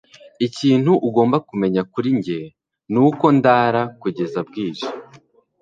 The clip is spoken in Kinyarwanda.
Ikintu ugomba kumenya kuri njye nuko ndara kugeza bwije.